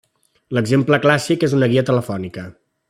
L'exemple clàssic és una guia telefònica.